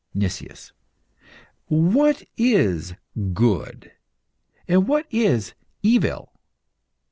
NICIAS. What is "good," and what is "evil"?